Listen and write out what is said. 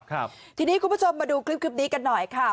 ครับทีนี้คุณผู้ชมมาดูคลิปคลิปนี้กันหน่อยค่ะ